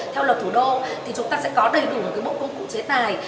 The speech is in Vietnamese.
theo luật thủ đô thì chúng ta sẽ có đầy đủ một bộ công cụ chế tài